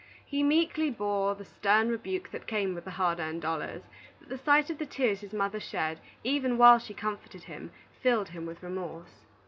He meekly bore the stern rebuke that came with the hard earned dollars, but the sight of the tears his mother shed, even while she comforted him, filled him with remorse.